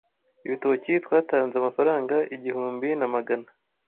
ibitoki Twatanze amafaranga igihumbi na magana